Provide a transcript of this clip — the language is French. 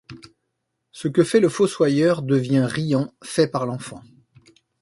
Ce que fait le fossoyeur devient riant, fait par l’enfant.